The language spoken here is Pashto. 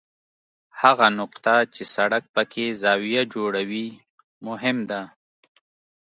هغه نقطه چې سړک پکې زاویه جوړوي مهم ده